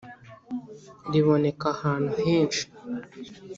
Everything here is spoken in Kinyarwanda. Riboneka ahantu heshi.